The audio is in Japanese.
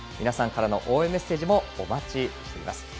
皆さんからの応援メッセージもお待ちしています。